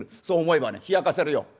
そう思えばねひやかせるよ。